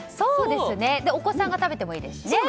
で、お子さんが食べてもいいですしね。